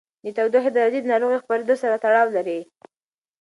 د تودوخې درجې د ناروغۍ خپرېدو سره تړاو لري.